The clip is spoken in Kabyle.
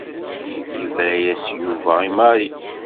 Yebra-yas Yuba i Mary.